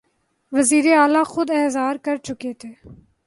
وزیراعلیٰ خود اظہار کرچکے تھے